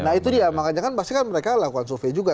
nah itu dia makanya kan mereka lakukan survei juga